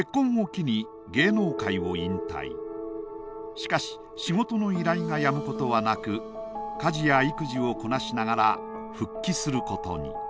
しかし仕事の依頼がやむことはなく家事や育児をこなしながら復帰することに。